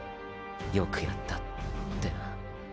よくやったーーてな。